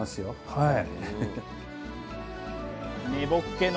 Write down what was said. はい。